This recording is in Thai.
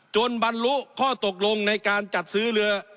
บรรลุข้อตกลงในการจัดซื้อเรือ